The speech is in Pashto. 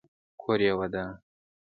کور یې ودان.